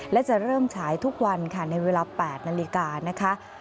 และจะเริ่มฉายทุกวันค่ะในเวลา๘นาฬิกานะคะ